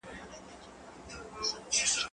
ته ولي لاس مينځې